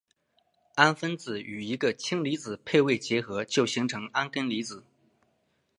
氨分子与一个氢离子配位结合就形成铵根离子。